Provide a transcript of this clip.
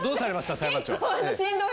裁判長。